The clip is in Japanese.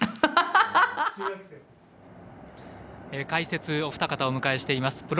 解説、お二方お迎えしています。